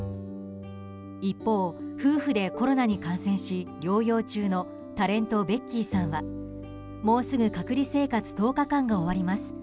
一方、夫婦でコロナに感染し療養中のタレント、ベッキーさんはもうすぐ隔離生活１０日間が終わります。